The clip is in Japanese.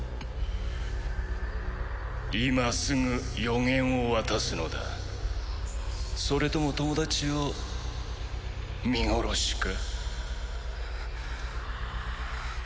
今すぐ予言を渡すのだそれとも友達を見殺しか？